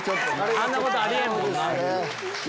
あんなことあり得んもんな。